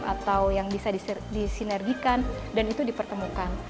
atau yang bisa disinergikan dan itu dipertemukan